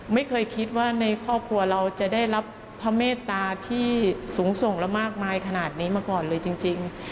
ไม่เคยคิดว่าในครอบครัวเราจะได้รับพระเมตตาที่สูงส่งและมากมายขนาดนี้มาก่อนเลยจริง